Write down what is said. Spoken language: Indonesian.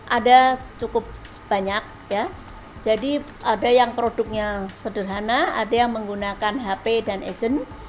ada cukup banyak jadi ada yang produknya sederhana ada yang menggunakan hp dan agent